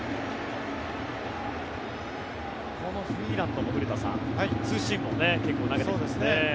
このフリーランドも古田さん、ツーシームを結構投げてきますね。